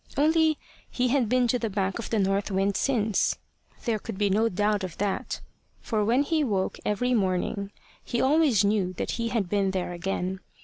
Only he had been to the back of the north wind since there could be no doubt of that; for when he woke every morning, he always knew that he had been there again.